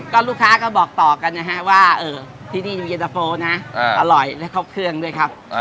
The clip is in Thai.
ก็ลูกค้าก็บอกต่อกันนะฮะว่าที่นี่อยู่เย็นตะโฟนะอร่อยและครบเครื่องด้วยครับ